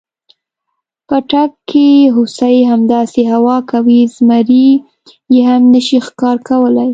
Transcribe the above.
په تګ کې هوسۍ، همداسې هوا کوي، زمري یې هم نشي ښکار کولی.